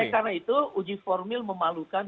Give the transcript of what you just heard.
oleh karena itu uji formil memalukan